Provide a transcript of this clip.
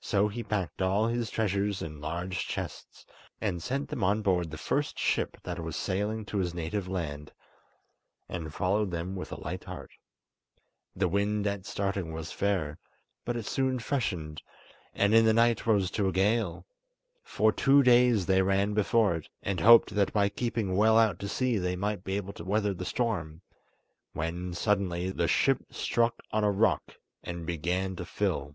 So he packed all his treasures in large chests, and sent them on board the first ship that was sailing to his native land, and followed them with a light heart. The wind at starting was fair, but it soon freshened, and in the night rose to a gale. For two days they ran before it, and hoped that by keeping well out to sea they might be able to weather the storm, when, suddenly, the ship struck on a rock, and began to fill.